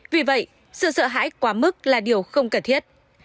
vì vậy sự sợ hãi quá mức là điều không cần thiết